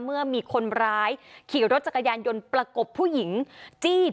เมื่อมีคนร้ายขี่รถจักรยานยนต์ประกบผู้หญิงจี้